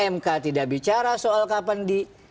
mk tidak bicara soal kapan di